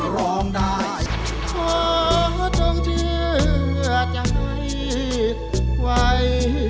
ร้องได้ร้องได้